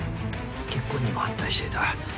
結婚にも反対していた。